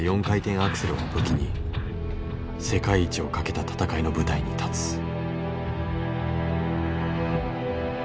４回転アクセルを武器に世界一をかけた戦いの舞台に立つ。